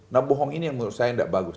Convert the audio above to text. nah bohong ini menurut saya enggak bagus